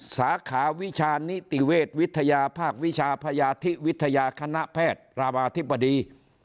สาขาวิชานิติเวชวิทยาภาควิชาพยาธิวิทยาคณะแพทย์ราวาธิบดี